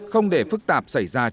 không để phức tạp sản xuất